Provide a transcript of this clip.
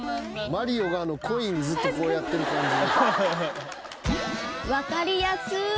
マリオがコインずっとこうやってる感じ。